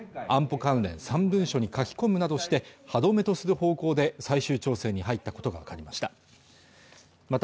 関連３文書に書き込むなどして歯止めとする方向で最終調整に入ったことが分かりました